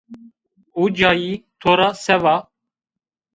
Ucayî to ra se va?